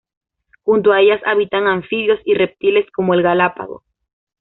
Junto a ellas, habitan anfibios y reptiles como el galápago.